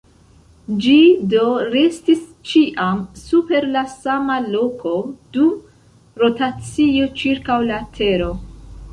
Ĝi do restis ĉiam super la sama loko dum rotacio ĉirkaŭ la tero.